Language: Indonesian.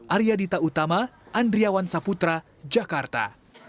arya dita utama andriawan saputra jakarta